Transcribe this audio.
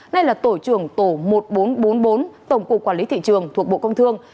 nay là tổ trưởng tổ một nghìn bốn trăm bốn mươi bốn tổng cục quản lý thị trường thuộc bộ công thương